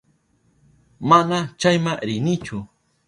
Mana chayma rinichu.